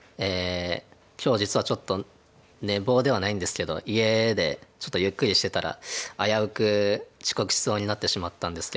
今日実はちょっと寝坊ではないんですけど家でちょっとゆっくりしてたら危うく遅刻しそうになってしまったんですけど。